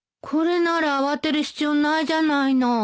これなら慌てる必要ないじゃないの